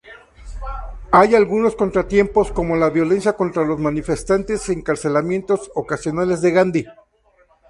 Hay algunos contratiempos, como la violencia contra los manifestantes y encarcelamientos ocasionales de Gandhi.